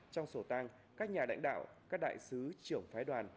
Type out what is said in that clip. trong sổ tăng các nhà lãnh đạo các đại sứ trưởng phái đoàn